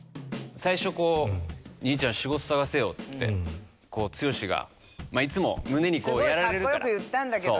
最初こう「兄ちゃん仕事探せよ」っつって剛がいつも胸にこうやられるから。